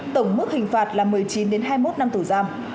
tổng mức hình phạt là một mươi chín hai mươi một năm tù giam